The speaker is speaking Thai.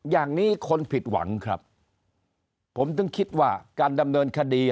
อย่างนี้คนผิดหวังครับผมถึงคิดว่าการดำเนินคดี